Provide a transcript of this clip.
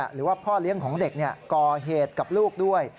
หรือว่าพ่อเลี้ยงของเด็กก่อเหตุกับลูกด้วย